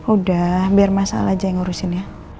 udah biar masalah aja yang ngurusin ya